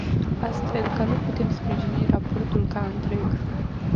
Astfel că nu putem sprijini raportul ca întreg.